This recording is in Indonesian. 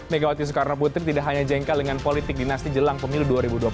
megawati soekarno putri tidak hanya jengkel dengan politik dinasti jelang pemilu dua ribu dua puluh empat